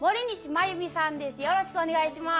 よろしくお願いします。